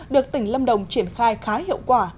được tỉnh lâm đồng triển khai khá hiệu quả